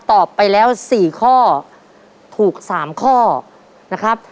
ครอบครัวของแม่ปุ้ยจังหวัดสะแก้วนะครับ